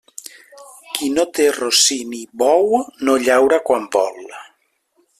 Qui no té rossí ni bou, no llaura quan vol.